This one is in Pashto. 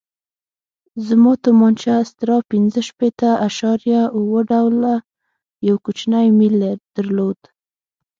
زما تومانچه استرا پنځه شپېته اعشاریه اوه ډوله یو کوچنی میل درلود.